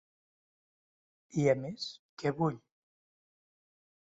I a més, què vull?